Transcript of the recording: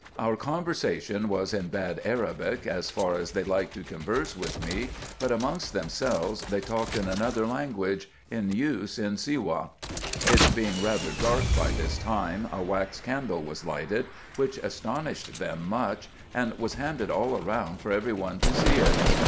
Our conversation was in bad Arabic as far as they liked to converse with me, but amongst themselves they talked in another language, in use in Siwah. It being rather dark by this time, a wax candle was righted, which astonished them much, and was handed all round for every one to see it.